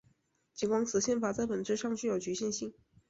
尽管此宪法在本质上具有局限性。